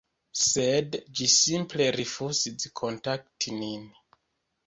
sed ĝi simple rifuzis kontakti nin.